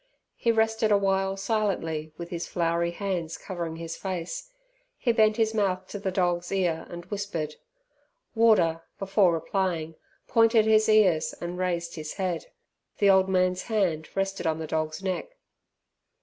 He rested a while silently with his floury hands covering his face. He bent his mouth to the dog's ear and whispered. Warder, before replying, pointed his cars and raised his head. The old man's hand rested on the dog's neck.